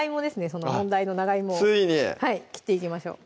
その問題の長いもをついに切っていきましょう